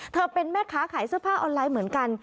เป็นแม่ค้าขายเสื้อผ้าออนไลน์เหมือนกัน